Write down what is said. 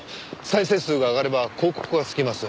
再生数が上がれば広告がつきます。